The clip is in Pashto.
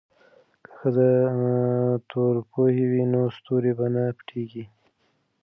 که ښځې ستورپوهې وي نو ستوري به نه پټیږي.